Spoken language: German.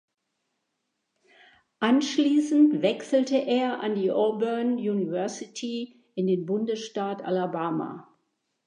Anschließend wechselte er an die Auburn University in den Bundesstaat Alabama.